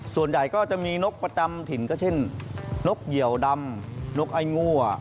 ส่วนใหญ่ก็จะมีนกประจำถิ่นก็เช่นนกเหยียวดำนกไอ้งั่ว